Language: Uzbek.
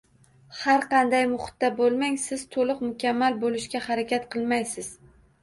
Har qanday muhitda bo’lmang siz to’liq mukammal bo’lishga harakat qilmaysiz